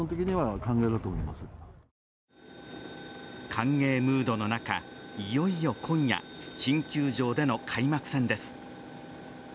歓迎ムードの中、いよいよ今夜新球場での開幕戦です。